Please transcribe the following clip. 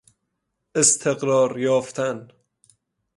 استقرار یافتن